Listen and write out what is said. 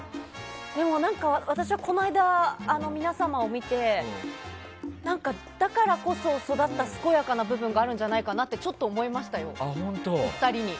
でも、私はこの間皆様を見てだからこそ、育った健やかな部分があるんじゃないかなとちょっと思いましたよ、お二人に。